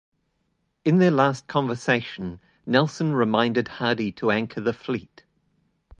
In their last conversation, Nelson reminded Hardy to anchor the fleet.